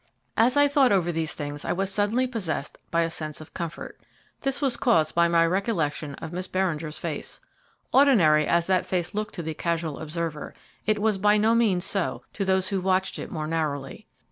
As I thought over these things I was suddenly possessed by a sense of comfort. This was caused by my recollection of Miss Beringer's face. Ordinary as that face looked to the casual observer, it was by no means so to those who watched it more narrowly.